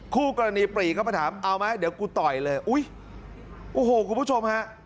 คู่กรณีปรีเข้ามาถามเอาไหมเดี๋ยวกูต่อยเลยอุ้ยโอ้โหคุณผู้ชมฮะ